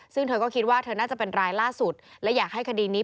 ซึ่งเธอก็คิดว่าเธอน่าจะเป็นรายล่าสุดและอยากให้คดีนี้